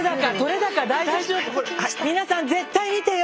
皆さん絶対見てよ！